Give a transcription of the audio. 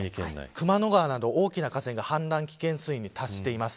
熊野川など大きな川が氾濫危険水位に達しています。